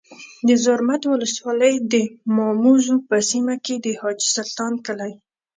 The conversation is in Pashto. د زرمت ولسوالۍ د ماموزو په سیمه کي د حاجي سلطان کلی